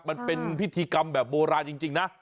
มันเป็นพิธีกรรมแบบโบราณจริงนะ